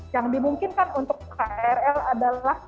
yang dimungkinkan untuk krl adalah